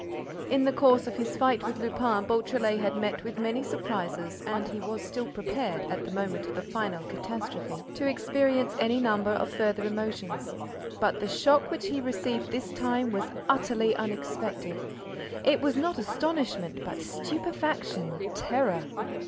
In the course of his fight with Lupin, Beautrelet had met with many surprises and he was still prepared, at the moment of the final catastrophe, to experience any number of further emotions; but the shock which he received this time was utterly unexpected. It was not astonishment, but stupefaction, terror.